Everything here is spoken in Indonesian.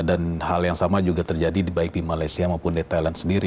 dan hal yang sama juga terjadi baik di malaysia maupun di thailand sendiri